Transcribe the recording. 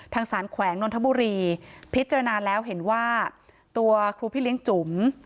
ทางสารแขวงนนทบุรีพิจารณาแล้วเห็นว่าตัวครูพี่เลี้ยงจุ๋ม